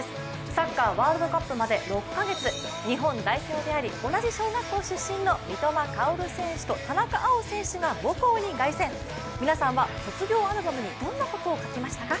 サッカーワールドカップまで６カ月日本代表であり同じ小学校出身の三笘薫選手と田中碧選手が母校に凱旋、皆さんは卒業アルバムにどんなことを書きましたか？